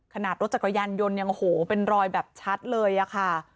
รถจักรยานยนต์ยังโอ้โหเป็นรอยแบบชัดเลยอะค่ะ